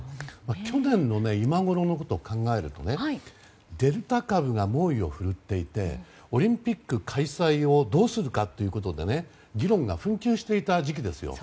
去年の今ごろのことを考えるとデルタ株が猛威を振るっていてオリンピック開催をどうするかということでね議論が紛糾していた時期ですよ。